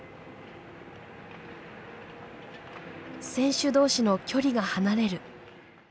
選手同士の距離が離れる。